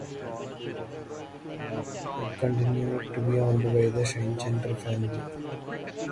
It continued to be owned by the Schneider family.